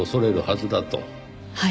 はい。